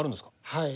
はい。